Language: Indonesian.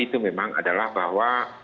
itu memang adalah bahwa